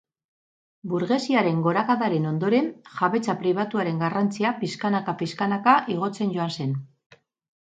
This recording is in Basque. Burgesiaren gorakadaren ondoren, jabetza pribatuaren garrantzia pixkanaka-pixkanaka igotzen joan zen.